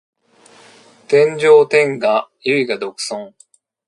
天上天下唯我独尊